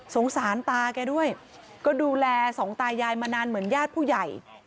สารตาแกด้วยก็ดูแลสองตายายมานานเหมือนญาติผู้ใหญ่